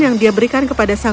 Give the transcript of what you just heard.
kok diartik keseluruhan